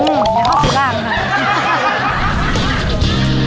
เดี๋ยวเขาจะล่างครับ